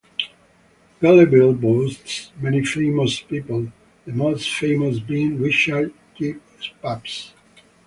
Galeville boasts many famous people, the most famous being Richard J Pabst.